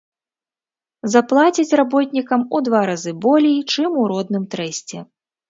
Заплацяць работнікам у два разы болей, чым у родным трэсце.